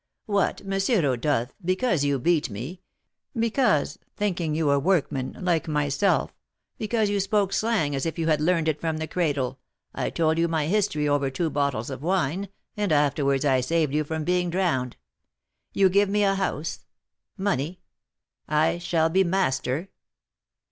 "What, M. Rodolph, because you beat me, because, thinking you a workman, like myself, because you spoke 'slang' as if you had learned it from the cradle, I told you my history over two bottles of wine, and afterwards I saved you from being drowned, you give me a house money I shall be master!